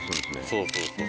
そうそうそう。